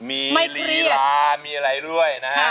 มีลีลามีอะไรด้วยนะฮะ